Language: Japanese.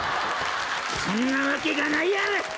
そんなわけがないやろ！